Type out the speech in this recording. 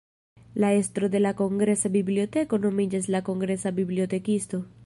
La estro de la Kongresa Biblioteko nomiĝas la Kongresa Bibliotekisto.